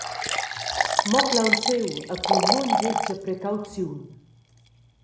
Mo plaunsiu e cun nundetga precauziun.